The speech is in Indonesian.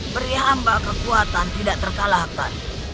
beri hamba kekuatan tidak terkalahkan